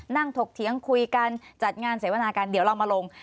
ถกเถียงคุยกันจัดงานเสวนากันเดี๋ยวเรามาลง